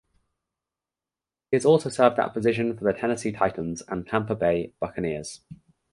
He has also served that position for the Tennessee Titans and Tampa Bay Buccaneers.